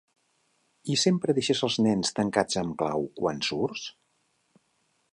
I sempre deixes els nens tancats amb clau quan surts?